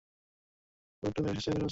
আড়াগারসামীর পবিত্র গাই এসেছে তাদের বাঁচাতে।